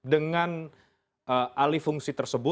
dengan alih fungsi